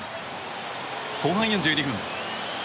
後半４２分。